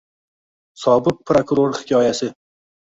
sobiq prokuror hikoyasi